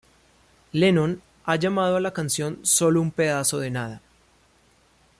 Lennon ha llamado a la canción, "solo un pedazo de nada".